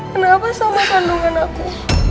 kenapa sama kandungan aku